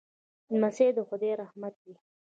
لمسی د خدای رحمت وي.